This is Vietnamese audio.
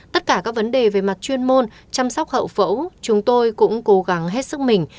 tất cả các vấn đề về mặt chuyên môn chăm sóc hậu phẫu chúng tôi cũng cố gắng hết sức mình